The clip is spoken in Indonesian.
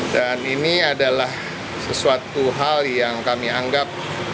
dan ini adalah sesuatu hal yang kami anggap